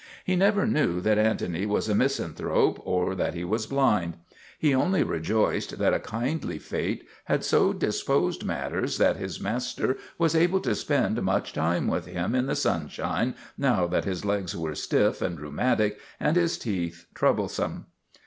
He never knew that Antony was a misanthrope or that he was blind; he only rejoiced that a kindly fate 80 MADNESS OF ANTONY SPATOLA had so disposed matters that his master was able to spend much time with him in the sunshine now that his legs were stiff and rheumatic and his teeth troublesome.